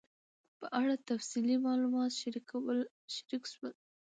په اړه تفصیلي معلومات شریک سول